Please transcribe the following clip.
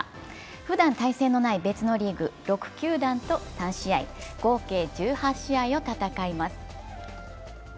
ふだん対戦のない別のリーグ、６球団と３試合、合計１８試合を戦います。